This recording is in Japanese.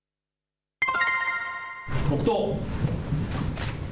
黙とう。